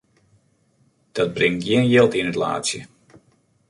Dat bringt gjin jild yn it laadsje.